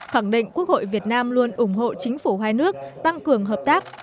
khẳng định quốc hội việt nam luôn ủng hộ chính phủ hai nước tăng cường hợp tác